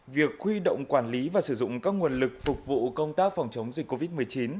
việc huy động quản lý và sử dụng các nguồn lực phục vụ công tác phòng chống dịch covid một mươi chín